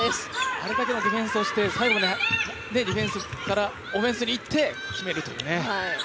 あれだけのディフェンスをして最後まで、ディフェンスからオフェンスにいって決めるというね。